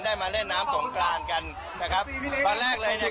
มาเล่นน้ำสงกรานกันนะครับตอนแรกเลยเนี่ย